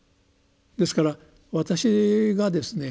ですから私がですね